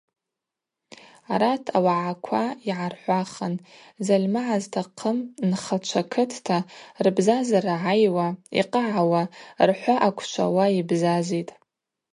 Арат ауагӏаква Йгӏархӏвахын зальмагӏа зтахъым Нхачва кытта, рбзазара гӏайуа, Йкъагӏауа, рхӏва аквшвауа йбзазитӏ.